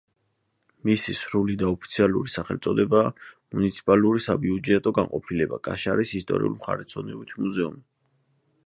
მისი სრული და ოფიციალური სახელწოდებაა „მუნიციპალური საბიუჯეტო განყოფილება კაშარის ისტორიულ-მხარეთმცოდნეობითი მუზეუმი“.